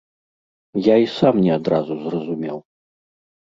Я і сам не адразу зразумеў.